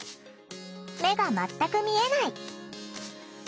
目が全く見えない。